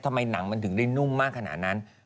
ทำไมหนังมันถึงได้นุ่มมากขนาดนั้น